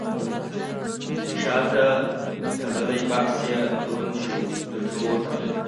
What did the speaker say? شاته تړلی بکس يې دروند شو، جُوجُو وخندل: